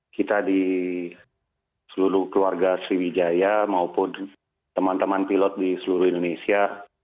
kita di seluruh keluarga sriwijaya maupun teman teman pilot di seluruh indonesia